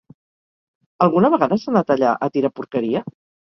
Alguna vegada has anat allà a tirar porqueria?